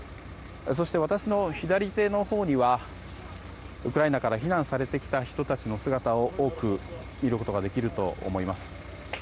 そして、私の左手にはウクライナから避難されてきた人たちの姿を多く見ることができると思います。